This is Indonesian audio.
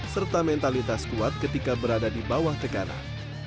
serta mentalitas kuat ketika berada di bawah tekanan